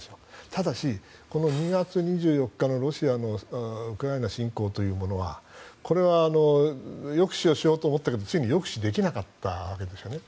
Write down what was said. ただし、２月２４日のロシアのウクライナ侵攻というものはこれは抑止をしようと思ったけれどもついに抑止できなかったわけですよね。